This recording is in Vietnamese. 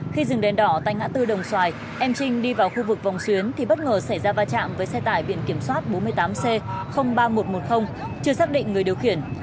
khi dừng đèn đỏ tại ngã tư đồng xoài em trinh đi vào khu vực vòng xuyến thì bất ngờ xảy ra va chạm với xe tải biển kiểm soát bốn mươi tám c ba nghìn một trăm một mươi chưa xác định người điều khiển